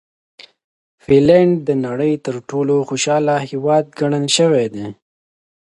فنلنډ د نړۍ تر ټولو خوشحاله هېواد ګڼل شوی دی.